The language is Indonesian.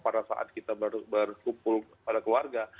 pada saat kita berkumpul pada keluarga